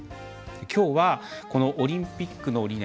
きょうはこのオリンピックの理念